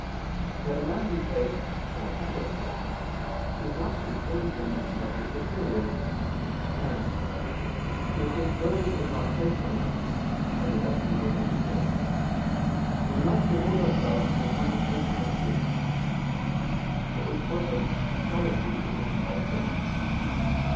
That a man be placed "on a candlestick," does not concern him but his superiors, and "if this burden is not placed on us," as Augustine goes on to say (De Civ. Dei xix, 19), "we must devote ourselves to the contemplation of truth," for which purpose solitude is most helpful.